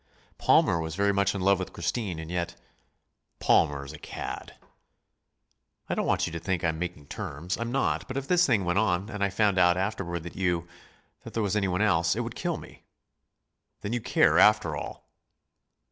"Palmer was very much in love with Christine, and yet " "Palmer is a cad." "I don't want you to think I'm making terms. I'm not. But if this thing went on, and I found out afterward that you that there was anyone else, it would kill me." "Then you care, after all!"